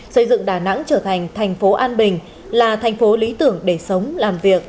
xây dựng đà nẵng trở thành thành phố an bình là thành phố lý tưởng để sống làm việc